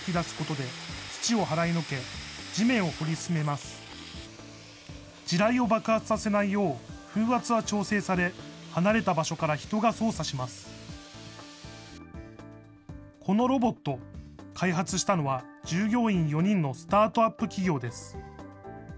このロボット、開発したのは従業員４人のスタートアップ企業です。